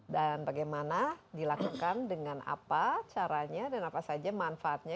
dan bagaimana dilakukan dengan apa caranya dan apa saja manfaatnya